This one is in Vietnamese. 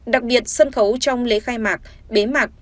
đặc biệt sân khấu trong lễ khai mạc bế mạc